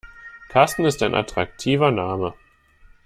Karsten ist ein attraktiver Name.